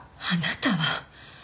あなたは！